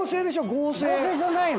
合成じゃないの。